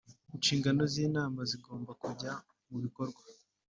inshingano z inama zigomba kujya mu bikorwa